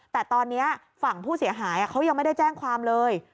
แต่ตอนนี้ฝั่งผู้เสียหายเขายังไม่ได้แจ้งความเลย